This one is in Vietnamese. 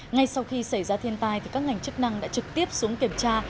ngay sau khi xảy ra thiên tai các ngành chức năng đã trực tiếp xuống kiểm tra